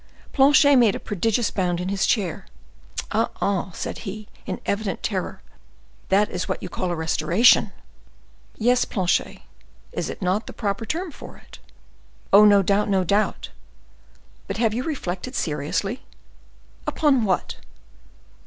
Planchet made a prodigious bound in his chair. "Ah, ah!" said he, in evident terror, "that is what you call a restoration!" "Yes, Planchet; is it not the proper term for it?" "Oh, no doubt, no doubt! But have you reflected seriously?" "Upon what?"